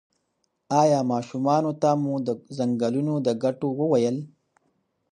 ایا ماشومانو ته مو د ځنګلونو د ګټو وویل؟